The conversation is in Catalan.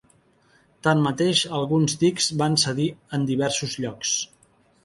Tanmateix, alguns dics van cedir en diversos llocs.